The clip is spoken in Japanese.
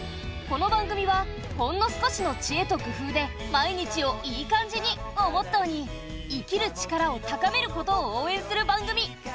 この番組はほんの少しの知恵と工夫で毎日を「イーカんじ」に！をモットーに生きる力を高めることを応えんする番組。